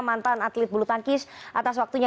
mantan atlet bulu tangkis atas waktunya